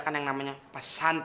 bra erah banyak banget